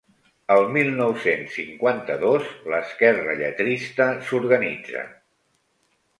El mil nou-cents cinquanta-dos, l'esquerra lletrista s'organitza.